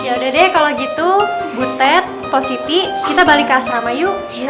ya udah deh kalau gitu butet positif kita balik ke asrama yuk